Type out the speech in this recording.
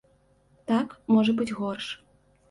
Так, можа быць горш.